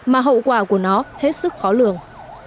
mà hậu quả của nó hết sức khó lường